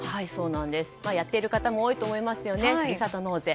やっている方も多いと思いますふるさと納税。